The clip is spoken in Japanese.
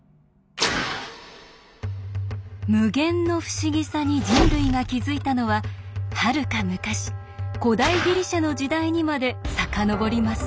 無限の不思議さに人類が気付いたのははるか昔古代ギリシャの時代にまで遡ります。